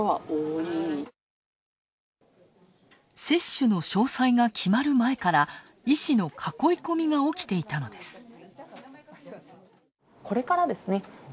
接種の詳細が決まる前から医師の囲い込みが起きていたのです。